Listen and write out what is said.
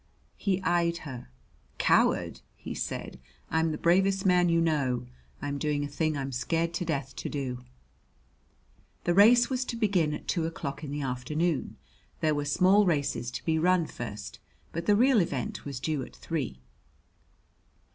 He eyed her. "Coward!" he said. "I'm the bravest man you know. I'm doing a thing I'm scared to death to do!" The race was to begin at two o'clock in the afternoon. There were small races to be run first, but the real event was due at three.